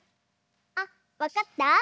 あわかった？